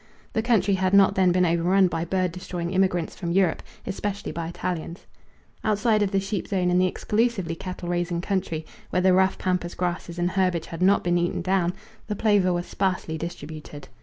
The country had not then been overrun by bird destroying immigrants from Europe, especially by Italians. Outside of the sheep zone in the exclusively cattle raising country, where the rough pampas grasses and herbage had not been eaten down, the plover were sparsely distributed.